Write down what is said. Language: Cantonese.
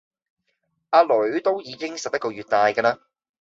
呀囡都已經十一個月大架啦